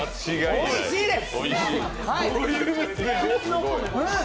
おいしいです。